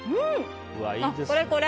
これ、これ！